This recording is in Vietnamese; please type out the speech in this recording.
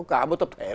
cả một tập thể